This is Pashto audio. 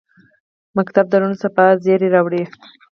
ښوونځی د روڼ سبا زېری راوړي